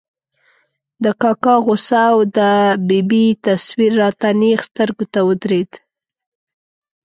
د کاکا غوسه او د ببۍ تصویر را ته نېغ سترګو ته ودرېد.